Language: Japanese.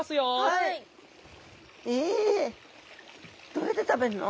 どうやって食べるの？